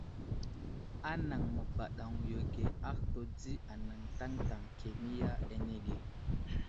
Anaŋ məbaɗeŋiyo age ahtu di anaŋ taŋtaŋ kemiya anege.